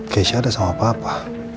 geisha ada sama papa